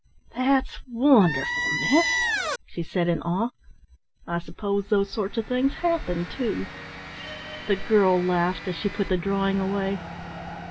"That's wonderful, miss," she said in awe. "I suppose those sort of things happen too?" The girl laughed as she put the drawing away.